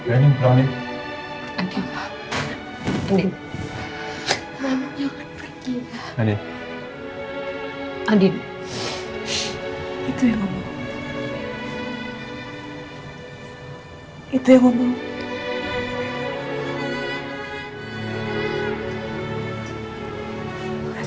aku mohon yang terima